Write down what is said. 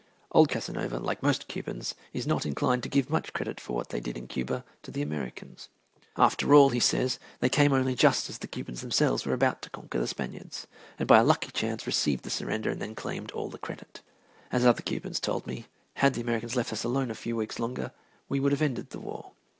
Old Casanova, like most Cubans, is not inclined to give much credit for what they did in Cuba to the Americans. After all, he says, they came only just as the Cubans themselves were about to conquer the Spaniards, and by a lucky chance received the surrender and then claimed all the credit. As other Cubans told me, "Had the Americans left us alone a few weeks longer, we would have ended the war."